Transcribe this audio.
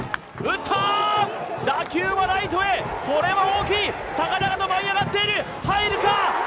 打球はライトへこれは大きい高々と舞い上がっている入るか？